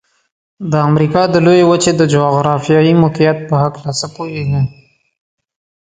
د امریکا د لویې وچې د جغرافيايي موقعیت په هلکه څه پوهیږئ؟